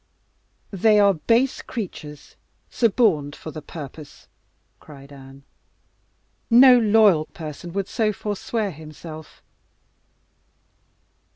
"They are base creatures suborned for the purpose!" cried Anne. "No loyal person would so forswear himself."